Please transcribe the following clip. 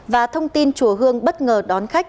và thông tin chùa hương bất ngờ đón khách